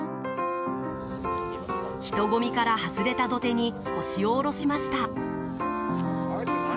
人混みから外れた土手に腰を下ろしました。